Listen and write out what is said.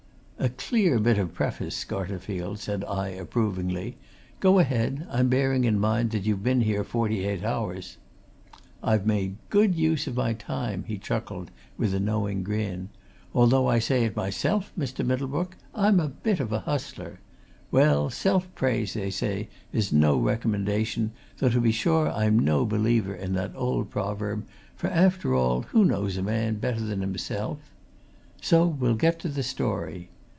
"A clear bit of preface, Scarterfield," said I approvingly. "Go ahead! I'm bearing in mind that you've been here forty eight hours." "I've made good use of my time!" he chuckled, with a knowing grin. "Although I say it myself, Mr. Middlebrook, I'm a bit of a hustler. Well, self praise, they say, is no recommendation, though to be sure I'm no believer in that old proverb, for, after all, who knows a man better than himself? So we'll get to the story.